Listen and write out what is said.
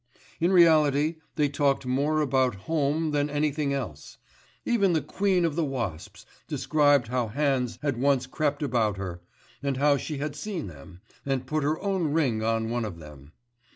In reality they talked more about Home than anything else; even the 'Queen of the Wasps' described how hands had once crept about her, and how she had seen them, and put her own ring on one of them.